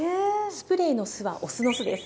スプレーのスはお酢の酢です。